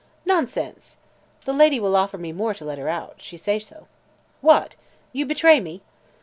"Nonsense!" "The lady will offer me more to let her out. She say so." "What! You'd betray me?"